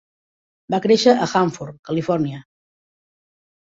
Va créixer a Hanford, Califòrnia.